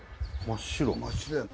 真っ白や。